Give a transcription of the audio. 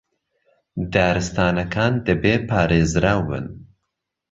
دارستانەکان دەبێ پارێزراو بن